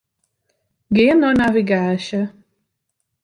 Gean nei navigaasje.